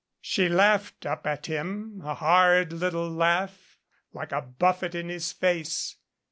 She laughed up at him, a hard little laugh, like a buffet in his face.